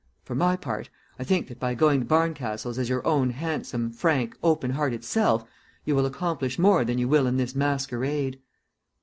For my part, I think that by going to Barncastle's as your own handsome, frank, open hearted self, you will accomplish more than you will in this masquerade."